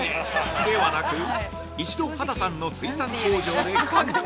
ではなく一度、畑さんの水産工場で管理。